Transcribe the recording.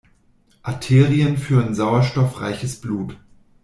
Arterien führen sauerstoffreiches Blut.